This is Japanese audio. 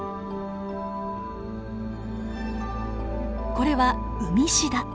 これはウミシダ。